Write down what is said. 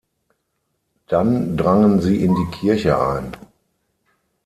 Dann drangen sie in die Kirche ein.